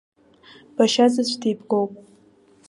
Башьазаҵә деибгоуп!